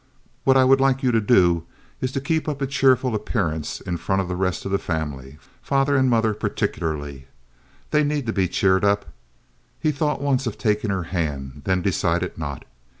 What I would like you to do is to keep up a cheerful appearance in front of the rest of the family—father and mother particularly. They need to be cheered up." He thought once of taking her hand, then decided not.